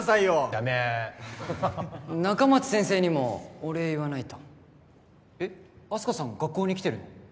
ダメ仲町先生にもお礼言わないとえっあす花さん学校に来てるの？